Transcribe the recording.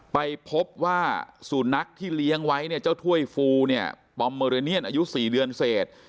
ไปพบว่าสุนัขที่เลี้ยงไว้เนี่ยเจ้าถ้วยฟูเนี่ยปอมเมอเรเนียนอายุ๔เดือนเศษ